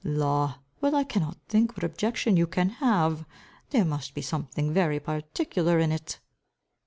"Law, well I cannot think what objection you can have! There must be something very particular in it."